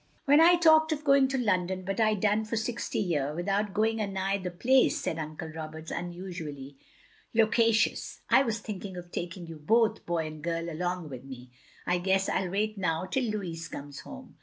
"When I talked of going to London — ^but I done for sixty year without going a nigh the place —" said Uncle Roberts tinusually loqua cious, "I was thinking of taking you both, boy and girl, along with me. I guess I '11 wait now till Louis comes home.